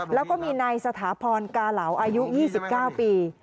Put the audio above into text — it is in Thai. แล้วก็มีนายสถาพรกาเหลาอายุ๒๙ปี